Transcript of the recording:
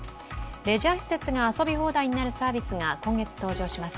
レジャー施設が遊び放題になるサービスが今月登場します。